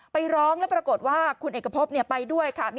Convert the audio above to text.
ไปร้องแล้วปรากฏว่าคุณเอกพบไปด้วยค่ะ